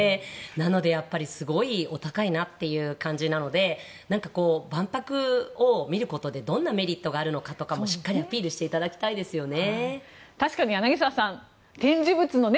なのでやはりすごくお高いなという感じなので万博を見ることでどんなメリットがあるのかとかもしっかりアピールしていただきたいですよね。